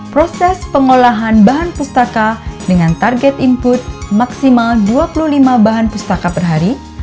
proses pengolahan bahan pustaka dengan target input maksimal dua puluh lima bahan pustaka per hari